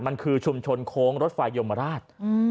มันคือชุมชนโค้งรถไฟยมราช